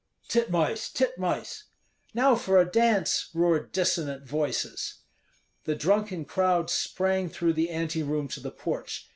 "Titmice! titmice!" "Now for a dance!" roared dissonant voices. The drunken crowd sprang through the anteroom to the porch.